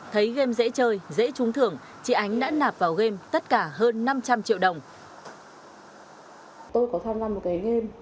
thấy game dễ chơi dễ trúng thưởng chị ánh đã nạp vào game tất cả hơn năm trăm linh triệu đồng